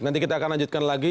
nanti kita akan lanjutkan lagi